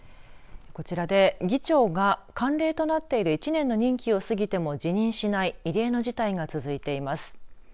こちらで議長が慣例となっている１年の任期を過ぎても辞任しない異例の事態が続いています。